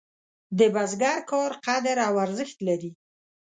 د بزګر کار قدر او ارزښت لري.